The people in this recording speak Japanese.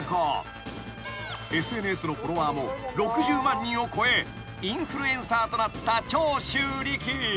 ［ＳＮＳのフォロワーも６０万人を超えインフルエンサーとなった長州力］